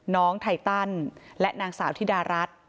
ไทตันและนางสาวธิดารัฐ